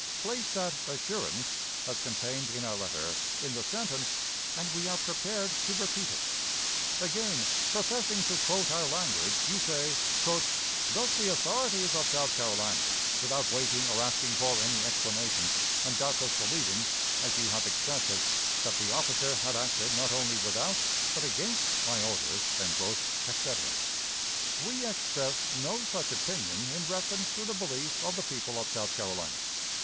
Place that "assurance," as contained in our letter, in the sentence, and we are prepared to repeat it. Again, professing to quote our language, you say: "Thus the authorities of South Carolina, without waiting or asking for any explanation, and doubtless believing, as you have expressed it, that the officer had acted not only without, but against my orders," etc. We expressed no such opinion in reference to the belief of the people of South Carolina.